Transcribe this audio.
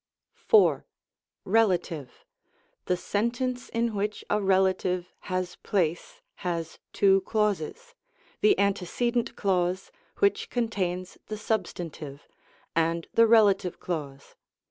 4. Melative. The sentence in which a relative has place, has two clauses: the antecedent clause (which contains the substantive), and the relative clause.